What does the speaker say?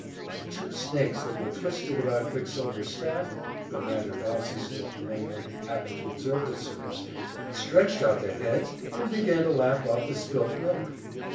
The two snakes that were twisted about Quicksilver's staff (but neither Baucis nor Philemon happened to observe this circumstance) stretched out their heads, and began to lap up the spilt milk.